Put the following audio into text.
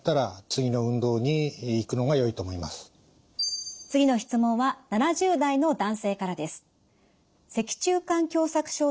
次の質問は７０代の男性からです。